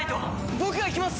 僕が行きます！